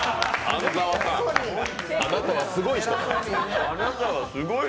あなたはすごい人だ！